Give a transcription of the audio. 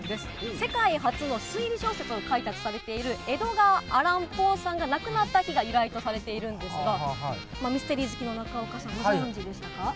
世界初の推理小説を書いたとされている、エドガー・アラン・ポーさんが亡くなった日が由来とされているんですが、ミステリー好きの中岡さん、ご存じでしたか？